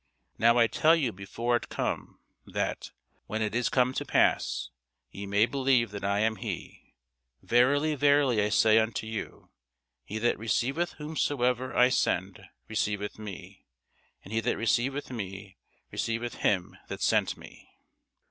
Now I tell you before it come, that, when it is come to pass, ye may believe that I am he. Verily, verily, I say unto you, He that receiveth whomsoever I send receiveth me; and he that receiveth me receiveth him that sent me.